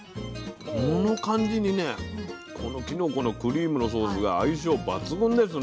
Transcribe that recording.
この感じにねこのきのこのクリームのソースが相性抜群ですね。